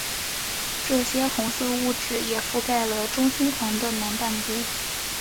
这些红色物质也覆盖了中心环的南半部。